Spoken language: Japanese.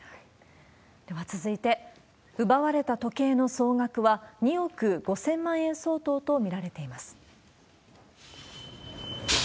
では続いて、奪われた時計の総額は２億５０００万円相当と見られています。